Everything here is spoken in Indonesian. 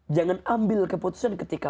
jangan ambil keputusan ketika